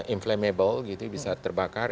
inflammable gitu bisa terbakar